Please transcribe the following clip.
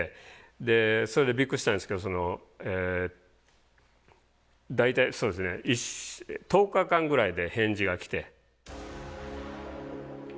でそれでびっくりしたんですけど大体そうですね１０日間ぐらいで返事が来て。